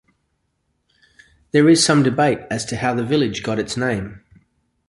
There is some debate as to how the village got its name.